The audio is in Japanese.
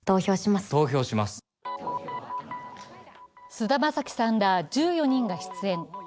菅田将暉さんら１４人が出演。